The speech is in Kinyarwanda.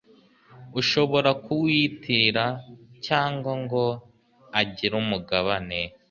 ushobora kuwiyitirira cyangwa ngo agire umugabane